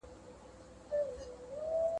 غوښي د هر چا خوښي دي، پيشي ايمان پر راوړی دئ.